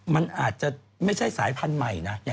มันอาจจะไม่ใช่สายพันธุ์ใหม่นะ